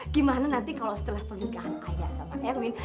gimana nanti kalau setelah pernikahan ayah sama erwin